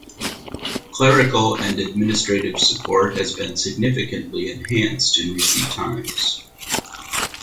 Clerical and administrative support has been significantly enhanced in recent times.